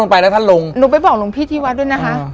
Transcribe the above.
ไม้ลงค่ะลุ่มเป็นของรักนะ